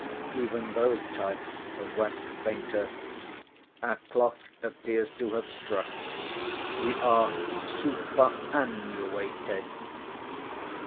Even those types have waxed fainter. Our clock appears to have struck. We are SUPERANNUATED.